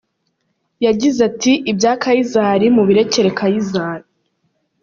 Yagize ati “ Ibya Kayizari mubirekere Kayizari.